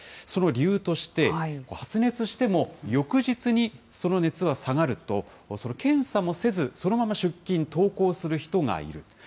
その理由として、発熱しても翌日にその熱が下がると、その検査もせず、そのまま出勤・登校する人がいる。